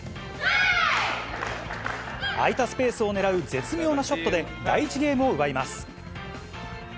空いたスペースを狙う絶妙なショットで、第１ゲームを奪います。